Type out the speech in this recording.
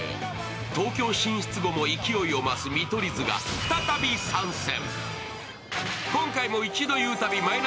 東京進出後も勢いを増す見取り図が再び参戦。